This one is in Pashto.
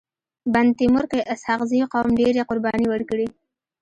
بند تيمور کي اسحق زي قوم ډيري قرباني ورکړي.